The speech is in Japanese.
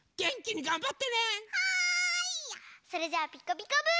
それじゃあ「ピカピカブ！」。